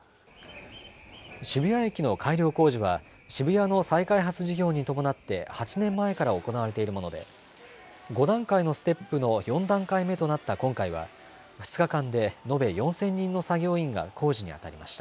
渋谷駅の改良工事は、渋谷の再開発事業に伴って８年前から行われているもので、５段階のステップの４段階目となった今回は、２日間で延べ４０００人の作業員が工事に当たりました。